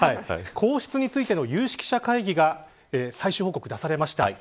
皇室についての有識者会議の最終報告が出されました。